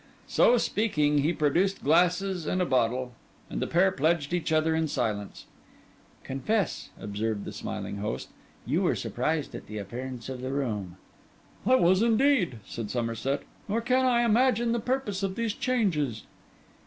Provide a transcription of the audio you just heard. So speaking, he produced glasses and a bottle: and the pair pledged each other in silence. 'Confess,' observed the smiling host, 'you were surprised at the appearance of the room.' 'I was indeed,' said Somerset; 'nor can I imagine the purpose of these changes.